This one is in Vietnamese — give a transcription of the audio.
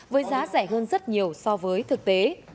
với giá rẻ hơn rất nhiều so với thực tế